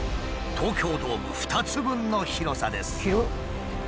東京ドーム２つ分の広さです。